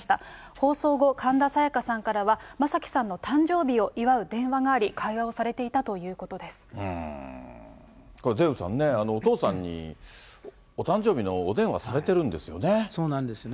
放送後、神田沙也加さんからは、正輝さんの誕生日を祝う電話があり、会話をされていたということこれ、デーブさんね、お父さんにお誕生日のお電話されてるんですよね。